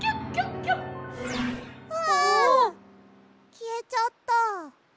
きえちゃった。